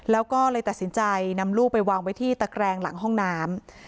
แล้วก็เลยตัดสินใจนำลูกไปวางไว้ที่ตะแกรงหลังห้องน้ำ